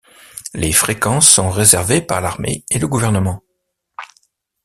Les fréquences sont réservées par l'armée et le gouvernement.